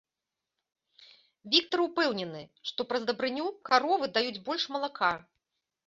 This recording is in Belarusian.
Віктар упэўнены, што праз дабрыню каровы даюць больш малака.